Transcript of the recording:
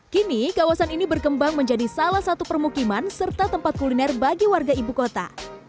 kini kawasan ini berkembang menjadi salah satu permukiman serta tempat kuliner bagi warga ibu kota